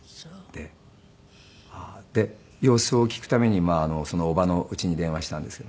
でああで様子を聞くためにその叔母の家に電話したんですけど。